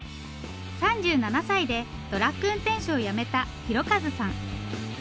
３７歳でトラック運転手を辞めた廣和さん。